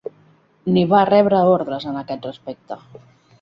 Ni va rebre ordres en aquest respecte.